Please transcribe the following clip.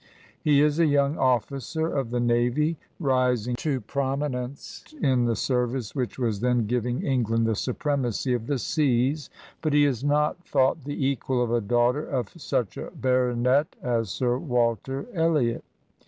He is a young officer of the navy, rising to prominence in the service which was then giving England the supremacy of the seas, but he is not thought the equal of a daughter of such a baronet as Sir Walter Elhot.